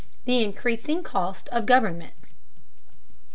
THE INCREASING COST OF GOVERNMENT.